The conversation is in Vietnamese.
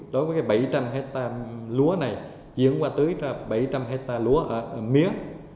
đối với cái bảy trăm linh hectare lúa này diễn qua tưới ra bảy trăm linh hectare lúa mía